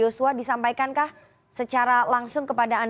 alasannya karena tidak ada kewajiban mengundang